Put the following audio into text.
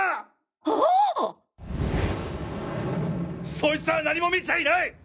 そいつは何も見ちゃいない！